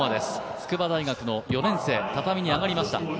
筑波大学の４年生、畳に上がりました。